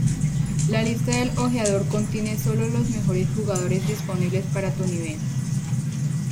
La lista del Ojeador contiene sólo los mejores jugadores disponibles para tu nivel.